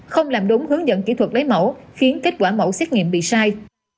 không làm đúng hướng dẫn kỹ thuật lấy mẫu khiến kết quả mẫu xét nghiệm bị sai